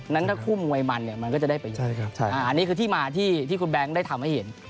นั้นถ้าคู่มวยมันเนี่ยมันก็จะได้ประโยชน์อันนี้คือที่มาที่คุณแบงค์ได้ทำให้เห็น